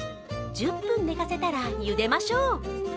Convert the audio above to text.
１０分寝かせたら、茹でましょう。